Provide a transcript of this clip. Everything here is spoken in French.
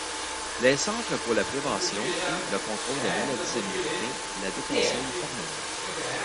Les Centres pour la Prévention et le Contrôle des Maladies américains la déconseillent formellement.